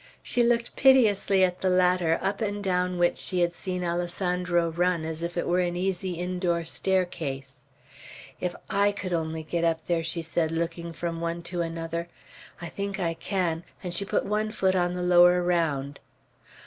She looked piteously at the ladder up and down which she had seen Alessandro run as if it were an easy indoor staircase. "If I could only get up there!" she said, looking from one to another. "I think I can;" and she put one foot on the lower round.